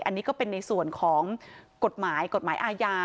อันนี้ก็เป็นในส่วนของกฎหมายกฎหมายกฎหมายอาญา